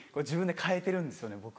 自分で替えてるんですよね